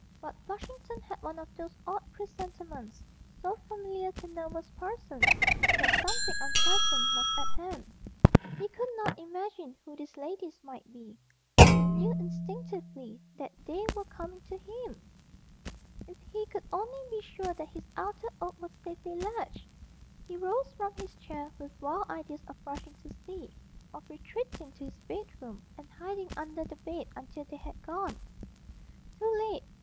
But Flushington had one of those odd presentiments, so familiar to nervous persons, that something unpleasant was at hand; he could not imagine who these ladies might be, but he knew instinctively that they were coming to him! If he could only be sure that his outer oak was safely latched! He rose from his chair with wild ideas of rushing to see, of retreating to his bedroom, and hiding under the bed until they had gone. Too late!